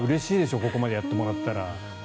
ここまでやってもらったら。